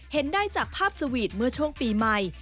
เห็นได้จากภาพสวีทเมื่อช่วงปีใหม่